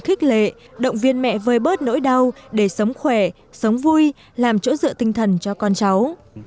khích lệ động viên mẹ vơi bớt nỗi đau để sống khỏe sống vui làm chỗ dựa tinh thần cho con cháu